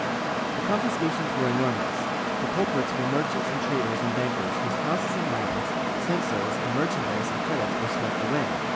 The confiscations were enor mous; the culprits were merchants and traders and bankers, whose houses and lands, censos and merchandise and credits were swept away.